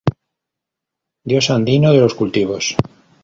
Dios andino de los cultivos.